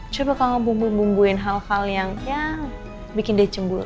coba kamu bumbu bumbuin hal hal yang ya bikin dia cemburu